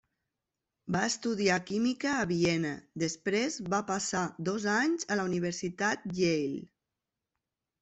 Va estudiar química a Viena, després va passar dos anys a la Universitat Yale.